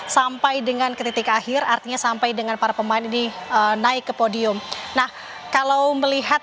sampai dengan ke titik akhir artinya sampai dengan para pemain ini naik ke podium nah kalau melihat